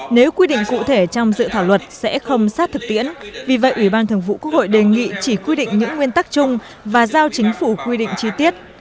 nếu quy định cụ thể trong dự thảo luật sẽ không sát thực tiễn vì vậy ủy ban thường vụ quốc hội đề nghị chỉ quy định những nguyên tắc chung và giao chính phủ quy định chi tiết